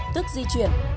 tức di chuyển